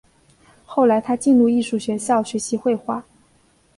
他后来进入艺术学校学习绘画。